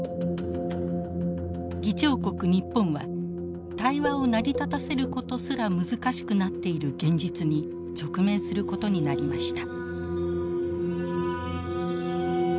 議長国日本は対話を成り立たせることすら難しくなっている現実に直面することになりました。